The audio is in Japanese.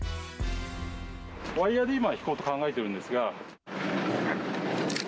ワイヤで今、引こうと考えているんですが。